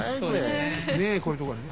ねえこういうとこでね。